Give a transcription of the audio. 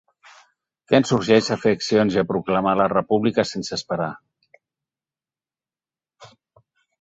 Que ens urgeix a fer accions i a proclamar la república sense esperar.